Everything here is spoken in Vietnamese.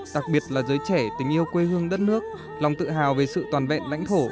đặc biệt là giới trẻ tình yêu quê hương đất nước lòng tự hào về sự toàn vẹn lãnh thổ